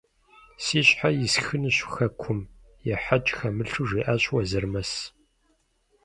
Си щхьэр исхынущ хэкум! – ехьэкӀ хэмылъу жиӀащ Уэзырмэс.